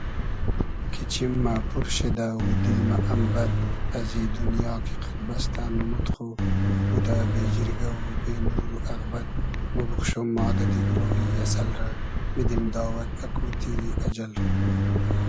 کی چیم مۂ پور شودۂ و دیل مۂ ام بئد ازی دونیا کی قئد بئستۂ نومود خو بودۂ بې جیرگۂ و بې نور و اغبئد موبوخشوم ما دۂ دیگرۉ ای اسئل رۂ میدیم داوئد اکو تیری اجئل رۂ